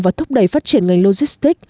và thúc đẩy phát triển ngành logistic